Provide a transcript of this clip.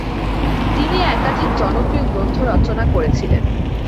তিনি একাধিক জনপ্রিয় গ্রন্থ রচনা করেছিলেন।